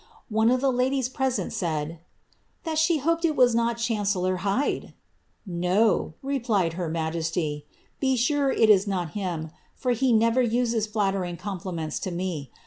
One of the ladies present said, '^ thil . she hoped it was not chancellor Hyde ?"*^ No,'' replied her nugea^i .^ be sure it is not him, for he never uses flattering compliments to ne